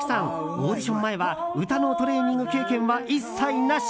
オーディション前は歌のトレーニング経験は一切なし。